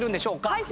はい。